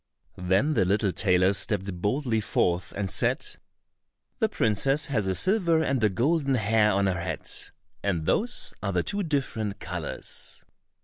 Then the little tailor stepped boldly forth and said, "The princess has a silver and a golden hair on her head, and those are the two different colors."